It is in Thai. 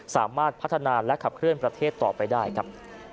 สามารถพัฒนาและขับเคลื่อนประเทศต่อไปได้ครับ